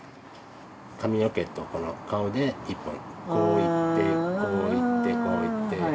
髪の毛とこの顔で１本こういってこういってこういって。